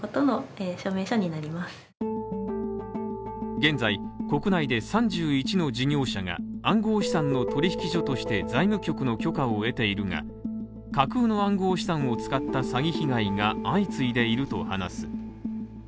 現在国内で３１の事業者が暗号資産の取引所として、財務局の許可を得ているが、架空の暗号資産を使った詐欺被害が相次いでいると話す。